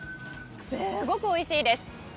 すごくおいしいです！